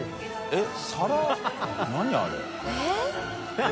えっ。